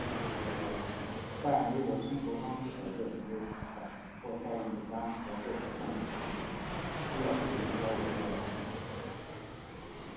但如果生活方式改变没有起效或效用不佳则这些患者常需要使用药物治疗。